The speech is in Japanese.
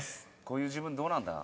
こういう自分どうなんだ？